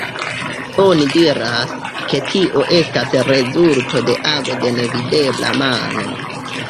Oni diras, ke tio estas rezulto de ago de nevidebla mano.